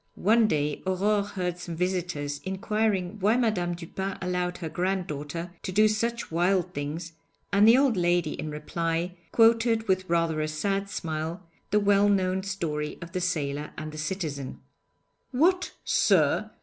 One day Aurore heard some visitors inquiring why Madame Dupin allowed her granddaughter to do such wild things, and the old lady in reply quoted with rather a sad smile the well known story of the sailor and the citizen. 'What, sir!